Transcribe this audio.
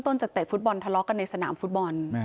ผมก็ไม่ทราบ